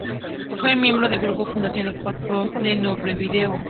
Fue miembro del grupo fundacional del Hot Club de Montevideo.